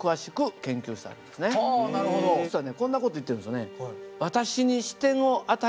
実はねこんな事言ってるんですよね。